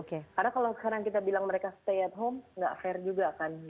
karena kalau sekarang kita bilang mereka stay at home enggak fair juga kan